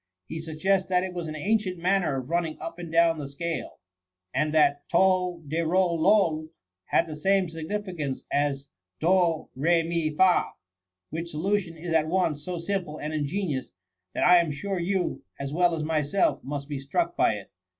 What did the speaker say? He suggests that it was an ancient manner of running up and down the scale ; and that * Tol de rol loP had the same signification as ^ Do re mi fa ;'— which solution is at once so simple and ingenious, that I am sure you, as well as myself, must be struck by it.